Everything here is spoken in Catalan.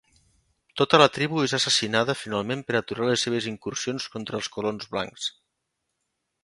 Tota la tribu és assassinada finalment per aturar les seves incursions contra els colons blancs.